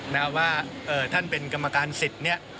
นะว่าท่านเป็นกรรมการสิทธิ์เนี่ย